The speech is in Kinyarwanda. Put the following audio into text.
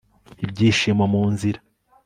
ibyishimo mu nzira